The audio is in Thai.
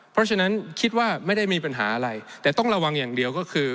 เพราะฉะนั้นคิดว่าไม่ได้มีปัญหาอะไรแต่ต้องระวังอย่างเดียวก็คือ